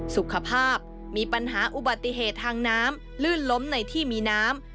สุขภาพมีปัญหาอุบัติเหตุทางน้ำลื่นล้มในที่มีน้ำ